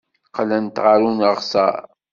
Qqlent ɣer uneɣsar.